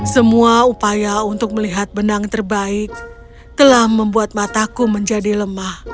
semua upaya untuk melihat benang terbaik telah membuat mataku menjadi lemah